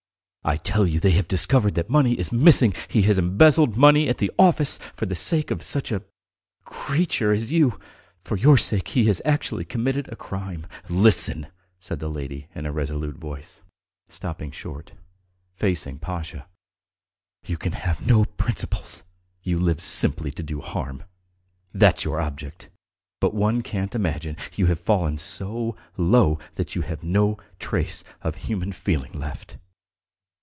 "I tell you they have discovered that money is missing! He has embezzled money at the office! For the sake of such a ... creature as you, for your sake he has actually committed a crime. Listen," said the lady in a resolute voice, stopping short, facing Pasha. "You can have no principles; you live simply to do harm that's your object; but one can't imagine you have fallen so low that you have no trace of human feeling left!